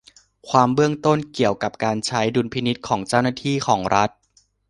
ความเบื้องต้นเกี่ยวกับการใช้ดุลพินิจของเจ้าหน้าที่ของรัฐ